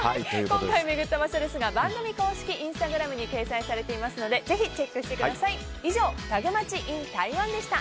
今回行った場所は番組公式インスタグラムに掲載されていますのでぜひチェックしてください。